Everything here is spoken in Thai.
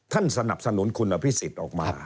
ท่านสนับสนุนคุณพิสิทธิ์ออกมา